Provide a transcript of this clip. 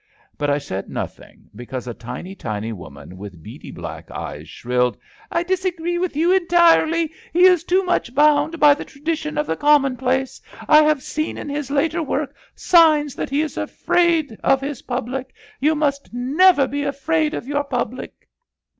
But I said nothing, because a tiny tiny woman with beady black eyes shrilled: " I dis agree with you entirely. He is too much bound by the tradition of the commonplace. I have seen in his later work signs that he is afraid of his public. You must never be afraid of your public.'